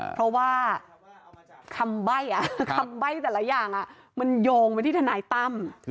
เพราะว่าคำใบ้คำใบ้แต่ละอย่างมันโยงไปที่ทนายตั้ม